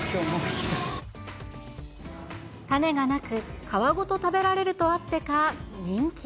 種がなく、皮ごと食べられるとあってか、人気。